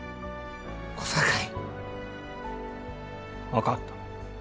分かった。